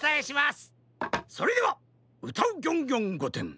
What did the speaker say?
それでは「うたうギョンギョンごてん」